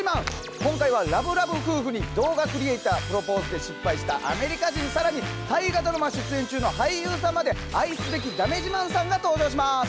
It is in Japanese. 今回はラブラブ夫婦に動画クリエイタープロポーズで失敗したアメリカ人更に「大河ドラマ」出演中の俳優さんまで愛すべきだめ自慢さんが登場します。